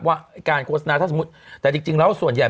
ว่าการโฆษณาถ้าสมมุติแต่จริงแล้วส่วนใหญ่